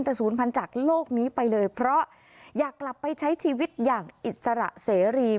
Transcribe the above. แต่ศูนย์พันธุ์จากโลกนี้ไปเลยเพราะอยากกลับไปใช้ชีวิตอย่างอิสระเสรี